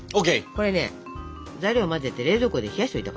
これね材料を混ぜて冷蔵庫で冷やしといたから。